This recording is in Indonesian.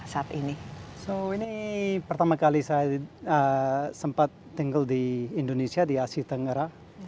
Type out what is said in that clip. jadi ini pertama kali saya sempat tinggal di indonesia di asia tenggara